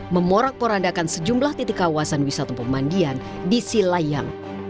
memorak porandakan sejumlah titik kawasan wisata pemandian di silayang